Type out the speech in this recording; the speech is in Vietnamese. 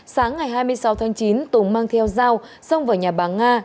sáng ngày hai mươi sáu tháng chín tùng mang theo dao xông vào nhà bà nga